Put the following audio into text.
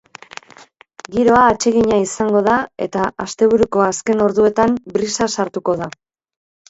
Giroa atsegina izango da, eta asteburuko azken orduetan brisa sartuko da.